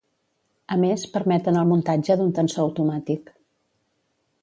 A més, permeten el muntatge d'un tensor automàtic.